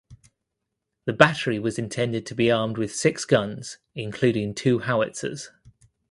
The battery was intended to be armed with six guns including two howitzers.